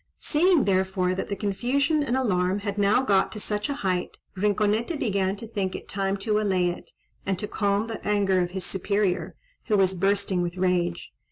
Seeing, therefore, that the confusion and alarm had now got to such a height, Rinconete began to think it time to allay it, and to calm the anger of his superior, who was bursting with rage.